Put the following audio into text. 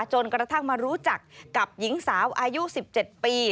จนกระทั่งมารู้จักกับหญิงสาวอายุ๑๗ปี